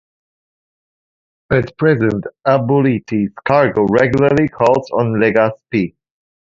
At present, Aboitiz cargo regularly calls on Legazpi.